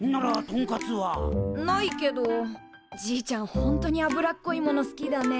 ほんとに脂っこいもの好きだね。